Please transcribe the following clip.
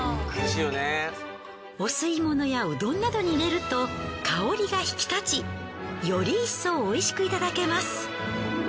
お吸い物やうどんなどに入れると香りが引き立ちより一層美味しくいただけます。